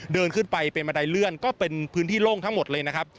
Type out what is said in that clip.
เดินขึ้นไปเป็นบันไดเลื่อนก็เป็นพื้นที่โล่งทั้งหมดเลยนะครับ